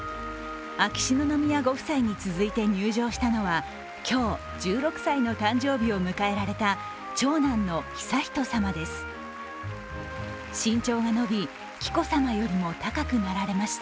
秋篠宮ご夫妻に続いて入場したのは今日１６歳の誕生日を迎えられた、長男の悠仁さまです。